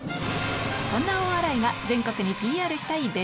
そんな大洗が全国にＰＲしたい